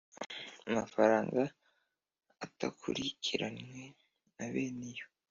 Amafaranga atakurikiranwe na bene yo